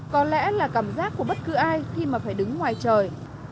có lẽ là cảm giác của bất cứ ai khi mà phải đứng ngoài trời